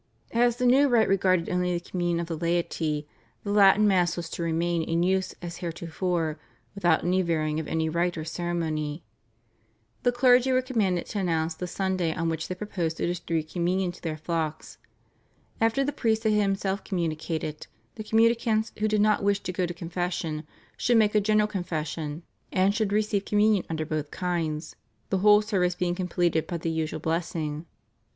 As the new rite regarded only the Communion of the laity, the Latin Mass was to remain in use as heretofore "without any varying of any rite or ceremony." The clergy were commanded to announce the Sunday on which they proposed to distribute Communion to their flocks. After the priest had himself communicated, the communicants, who did not wish to go to confession, should make a general confession, and should receive Communion under both kinds, the whole service being completed by the usual blessing.